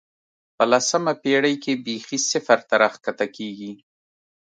په لسمه پېړۍ کې بېخي صفر ته راښکته کېږي.